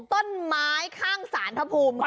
ต้นไม้ข้างสารทภูมิค่ะคุณ